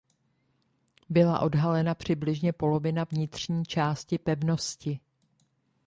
Byla odhalena přibližně polovina vnitřní části pevnosti.